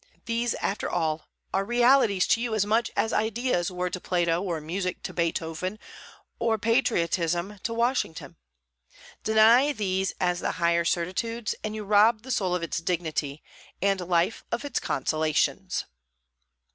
These, after all, are realities to you as much as ideas were to Plato, or music to Beethoven, or patriotism to Washington. Deny these as the higher certitudes, and you rob the soul of its dignity, and life of its consolations.